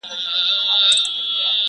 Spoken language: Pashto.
یوه ورځ یې بحث پر خوی او پر عادت سو.!